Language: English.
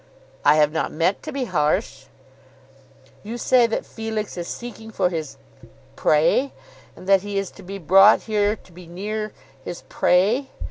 "I have not meant to be harsh." "You say that Felix is seeking for his prey, and that he is to be brought here to be near his prey.